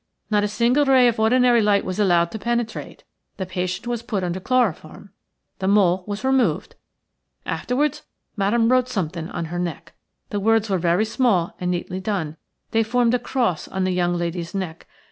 Not a single ray of ordinary light was allowed to penetrate. The patient was put under chloroform. The mole was removed. Afterwards Madame wrote something on her neck. The words were very small and neatly done – they formed a cross on the young lady's neck.